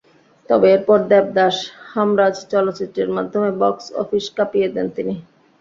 তবে এরপর দেবদাস, হামরাজ চলচ্চিত্রের মাধ্যমে বক্স অফিস কাঁপিয়ে দেন তিনি।